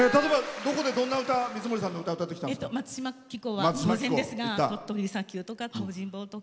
どこでどんな歌水森さんの歌を歌ってきたんですか？